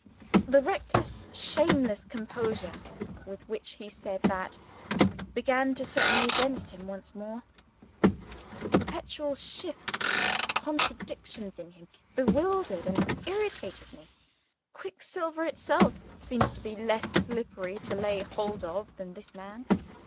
The reckless, shameless composure with which he said that, began to set me against him once more. The perpetual shifts and contradictions in him, bewildered and irritated me. Quicksilver itself seemed to be less slippery to lay hold of than this man.